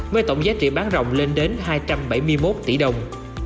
với tổng giá trị bán rồng lên đến hai trăm bảy mươi một tỷ đồng